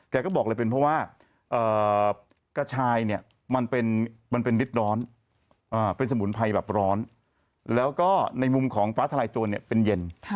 แกก็บอกเลยเป็นเพราะว่ากระชายเนี่ยมันเป็นฤทธิร้อนเป็นสมุนไพรแบบร้อนแล้วก็ในมุมของฟ้าทลายโจรเนี่ยเป็นเย็น